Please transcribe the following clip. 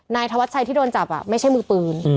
แนนสวัสดีที่โดนจับไม่ใช่มือปืน